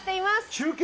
中継？